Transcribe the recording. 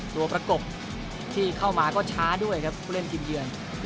ประกบที่เข้ามาก็ช้าด้วยครับผู้เล่นทีมเยือน